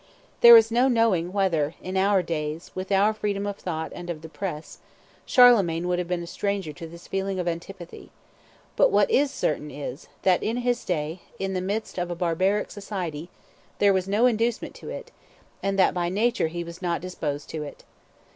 There is no knowing whether, in our days, with our freedom of thought and of the press, Charlemagne would have been a stranger to this feeling of antipathy; but what is certain is, that in his day, in the midst of a barbaric society, there was no inducement to it, and that, by nature, he was not disposed to it.